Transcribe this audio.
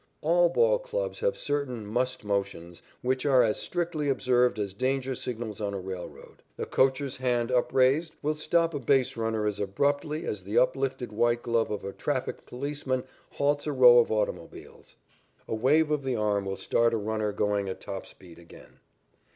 All ball clubs have certain "must" motions which are as strictly observed as danger signals on a railroad. A coacher's hand upraised will stop a base runner as abruptly as the uplifted white glove of a traffic policeman halts a row of automobiles. A wave of the arm will start a runner going at top speed again.